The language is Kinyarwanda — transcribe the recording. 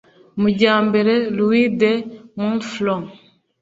Mujyambere Louis de Montfort